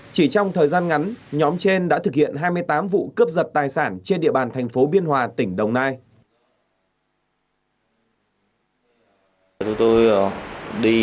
chỉ trong thời gian ngắn nhóm trên đã thực hiện hai mươi tám vụ cướp giật tài sản trên địa bàn thành phố biên hòa tỉnh đồng nai